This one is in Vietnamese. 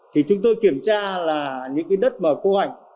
thì chúng tôi kiểm tra là những cái đất mà cô hạnh